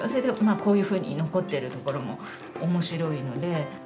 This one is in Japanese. こういうふうに残っているところもおもしろいので。